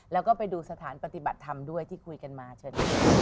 แล้วก็ไปดูสถานปฏิบัติธรรมด้วยที่คุยกันมาเชิญ